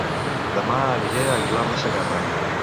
Dema aniré a Aguilar de Segarra